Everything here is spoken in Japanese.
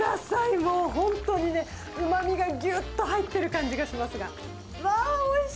もう本当にね、うまみがぎゅっと入っている感じがしますが。